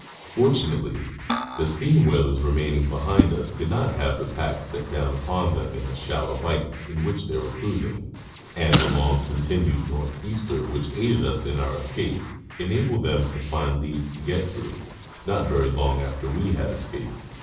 Fortunately, the steam whalers remaining behind us did not have the pack set down upon them in the shallow bights in which they were cruising, and the long continued north easter which aided us in our escape enabled them to find leads to get through, not very long after we had escaped.